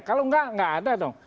kalau enggak nggak ada dong